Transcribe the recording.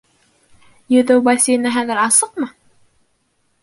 Йөҙөү бассейны хәҙер асыҡмы?